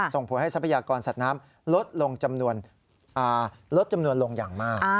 ส่งผลให้ทรัพยากรสัตว์น้ำลดลงจำนวนลดจำนวนลงอย่างมาก